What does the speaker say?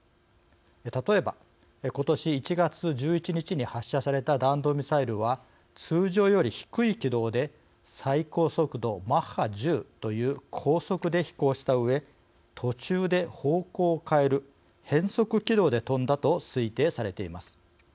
例えば今年１月１１日に発射された弾道ミサイルは通常より低い軌道で最高速度マッハ１０という高速で飛行したうえ途中で方向を変える変則軌道で飛んだと推定されています。